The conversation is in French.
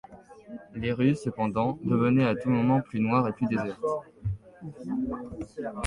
Les rues cependant devenaient à tout moment plus noires et plus désertes.